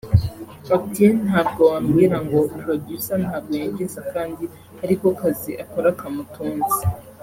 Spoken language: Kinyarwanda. Ati “Ntabwo wambwira ngo “Producer” ntabwo yinjiza kandi ariko kazi akora kamutunze